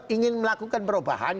ingin melakukan perubahan